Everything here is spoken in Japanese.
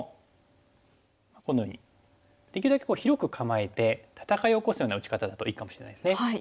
このようにできるだけ広く構えて戦いを起こすような打ち方だといいかもしれないですね。